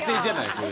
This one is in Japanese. それ。